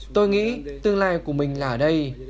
tôi nghĩ tương lai của mình là ở đây